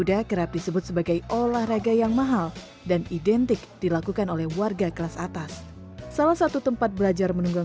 saya tiffany raitama selamat siang sampai jumpa